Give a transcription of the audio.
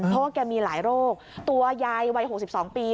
เพราะว่าแกมีหลายโรคตัวยายวัย๖๒ปี